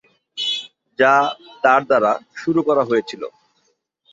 যা তার দ্বারা শুরু করা হয়েছিল।